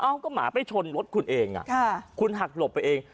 ก็หมาไปชนรถคุณเองคุณหักหลบไปเอง